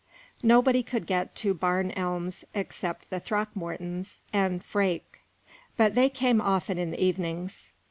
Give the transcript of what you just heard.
Nobody could get to Barn Elms except the Throckmortons and Freke, but they came often in the evenings.